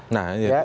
nah ini betul